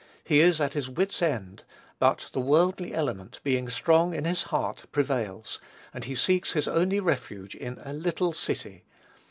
He is at his wits' end; but the worldly element, being strong in his heart, prevails, and he seeks his only refuge in "a little city."